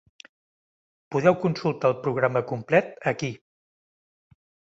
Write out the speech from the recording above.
Podeu consultar el programa complet aquí.